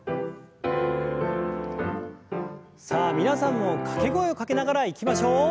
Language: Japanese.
さあ皆さんも掛け声をかけながらいきましょう。